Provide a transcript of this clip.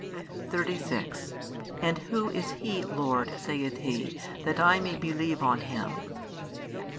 36 And Who is He, Lord, saith he, that I may believe on Him?